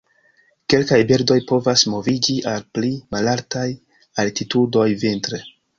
Kelkaj birdoj povas moviĝi al pli malaltaj altitudoj vintre.